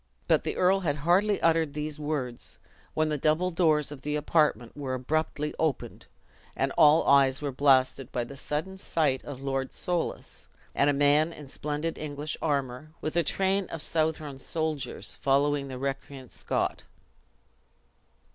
But the earl had hardly uttered these words, when the double doors of the apartment were abruptly opened, and all eyes were blasted by the sudden sight of Lord Soulis, and a man in splendid English armor, with a train of Southron soldiers, following the recreant Scot.